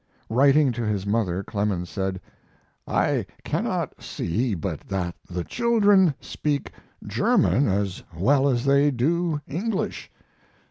Writing to his mother Clemens said: I cannot see but that the children speak German as well as they do English.